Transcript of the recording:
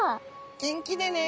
元気でね。